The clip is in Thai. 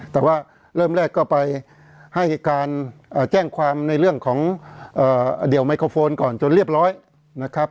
แต่ว่าเริ่มแรกก็ไปให้การแจ้งความในเรื่องของเดี่ยวไมโครโฟนก่อนจนเรียบร้อยนะครับ